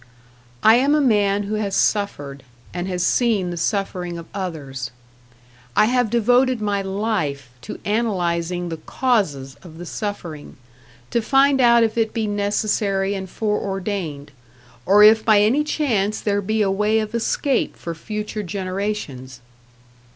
I am a man who has suffered, and has seen the suffering of others; I have devoted my life to analyzing the causes of the suffering, to find out if it be necessary and fore ordained, or if by any chance there be a way of escape for future generations.